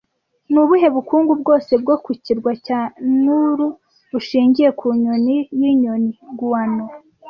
Ni ubuhe bukungu bwose bwo ku kirwa cya Nauru bushingiye ku nyoni y'inyoni - Guano